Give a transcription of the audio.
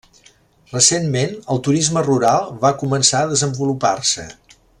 Recentment, el turisme rural va començar a desenvolupar-se.